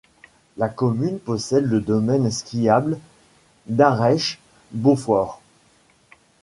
La commune possède le domaine skiable d'Arêches-Beaufort.